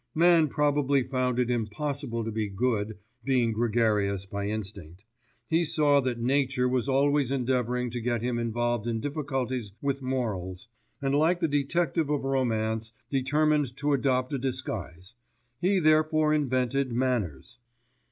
"Man probably found it impossible to be good, being gregarious by instinct. He saw that Nature was always endeavouring to get him involved in difficulties with morals, and like the detective of romance, determined to adopt a disguise. He therefore invented manners."